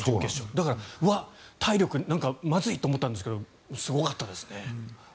だからうわっ、体力まずいと思ったんですけどすごかったですね。